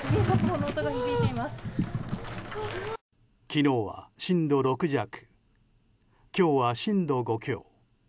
昨日は震度６弱今日は震度５強。